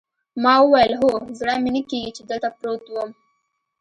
ما وویل: هو، زړه مې نه کېږي چې دلته پروت وم.